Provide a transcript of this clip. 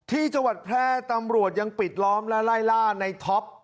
ที่จังหวัดแพร่ตำรวจยังปิดล้อมและไล่ล่าในท็อป